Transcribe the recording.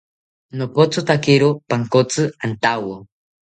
Nopothotakiro pankotzi antawo